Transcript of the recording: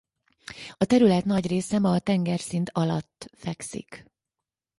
A terület nagy része ma a tengerszint alatt fekszik.